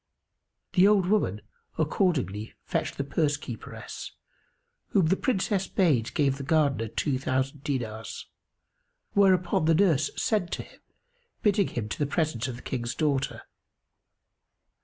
The old woman accordingly fetched the purse keeperess, whom the Princess bade give the Gardener two thousand dinars; whereupon the nurse sent to him, bidding him to the presence of the King's daughter.